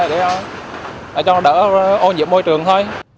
để cho nó đỡ ô nhiễm môi trường thôi